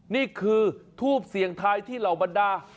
นี่คือทูบเสี่ยงทายที่เหล่าบรรดา